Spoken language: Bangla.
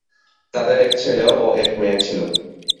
তাদের এক ছেলে ও এক মেয়ে ছিল।